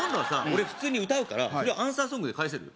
俺普通に歌うからそれをアンサーソングで返せる？